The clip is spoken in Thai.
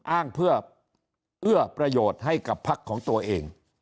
อ้างเพื่อเอื้อประโยชน์ให้กับพักของตัวเอง